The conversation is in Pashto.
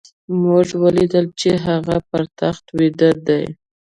موږ وليدل چې هغه پر تخت ويده دی.